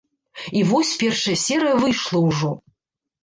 І вось першая серыя выйшла ўжо.